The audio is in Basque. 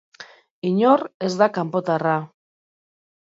Inor ez da kanpotarra.